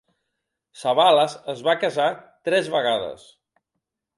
Savalas es va casar tres vegades.